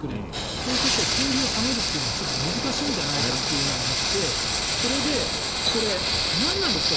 そうすると金利を下げるっていうのはちょっと難しいんじゃないかというのがあってそれでなんなんですか？